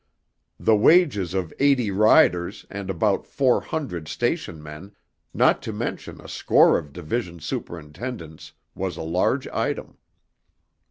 The wages of eighty riders and about four hundred station men, not to mention a score of Division Superintendents was a large item.